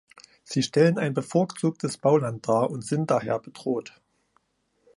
Sie stellen ein bevorzugtes Bauland dar und sind daher bedroht.